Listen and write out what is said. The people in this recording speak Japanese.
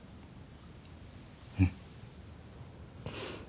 うん。